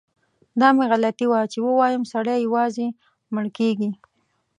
دا مې غلطي وه چي ووایم سړی یوازې مړ کیږي.